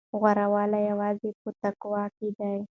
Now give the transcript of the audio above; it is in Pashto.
غوره والی یوازې په تقوی کې دی.